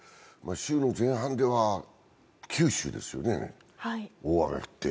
週の前半では九州ですよね大雨降って。